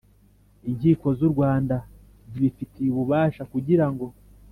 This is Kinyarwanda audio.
Inkiko z u Rwanda zibifitiye ububasha kugirango